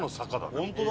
本当だ！